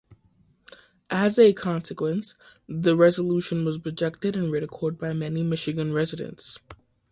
As a consequence, the resolution was rejected and ridiculed by many Michigan residents.